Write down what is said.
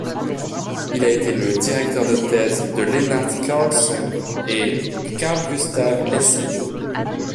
Il a été le directeur de thèse de Lennart Carleson et Carl-Gustav Esseen.